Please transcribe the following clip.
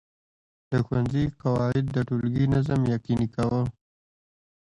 د ښوونځي قواعد د ټولګي نظم یقیني کاوه.